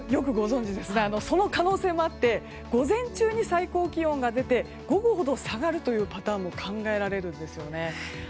その可能性もあって午前中に最高気温が出て午後ほど下がるというパターンも考えられるんです。